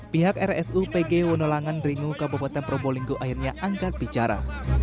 pihak rsu pg wonolangan ringu kabupaten probolinggo akhirnya angkat bicara